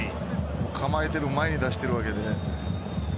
構えてる前に出してるわけでね。